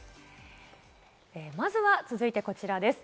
まずは続いてこちらです。